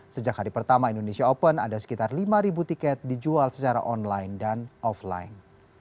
sejak hari pertama indonesia open ada sekitar lima tiket dijual secara online dan offline